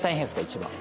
一番。